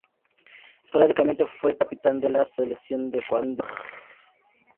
Esporádicamente fue capitán de la Selección de Ecuador.